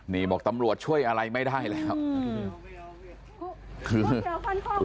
นี่บอกตำรวจช่วยอะไรไม่ได้เลยครับ